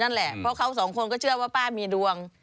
นั่นแหละเพราะเขาสองคนก็เชื่อว่าป้ามีดวง